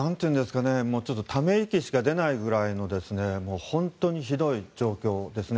ちょっとため息しか出ないぐらいの本当にひどい状況ですね。